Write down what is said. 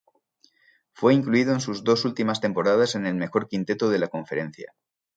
Fue incluido en sus dos últimas temporadas en el mejor quinteto de la conferencia.